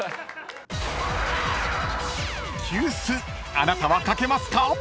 ［あなたは書けますか？］